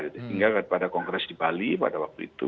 sehingga pada kongres di bali pada waktu itu